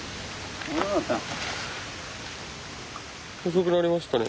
遅くなりましたね。